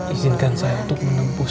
izinkan saya untuk menembus